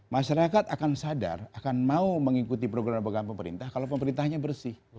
masyarakat akan sadar akan mau mengikuti program program pemerintah kalau pemerintahnya bersih